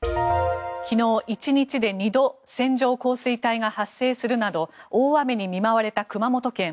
昨日、１日で２度線状降水帯が発生するなど大雨に見舞われた熊本県。